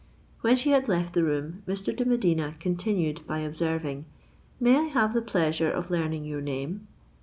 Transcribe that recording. When she had left the room, Mr. de Medina continued by observing, "May I have the pleasure of learning your name?"